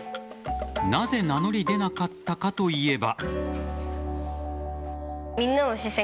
なぜ名乗り出なかったかといえば。